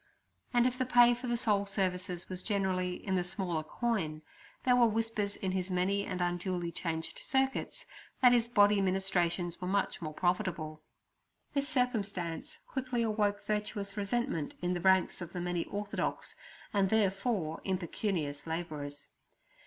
And if the pay for the soul services was generally in the smaller coin, there were whispers in his many and undulychanged circuits, that his body ministrations were much more profitable. This circumstance quickly awoke virtuous resentment in the ranks of the many orthodox, and therefore impecunious, labourers.